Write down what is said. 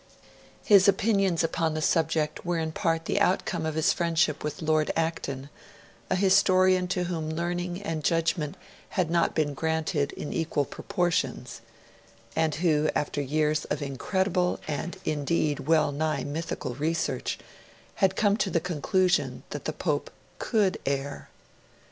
His opinions upon the subject were in part the outcome of his friendship with Lord Acton, a historian to whom learning and judgment had not been granted in equal proportions, and who, after years of incredible and indeed well nigh mythical research, had come to the conclusion that the Pope could err.